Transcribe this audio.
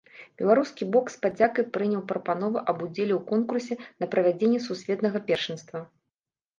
Беларускі бок з падзякай прыняў прапанову аб удзеле ў конкурсе на правядзенне сусветнага першынства.